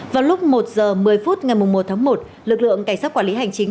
vào lúc một h một mươi phút ngày một tháng một lực lượng cảnh sát quản lý hành chính